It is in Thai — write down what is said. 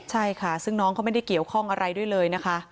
ใช่ค่ะซึ่งน้องเขาไม่ได้เกี่ยวข้องอะไรด้วยเลยนะคะ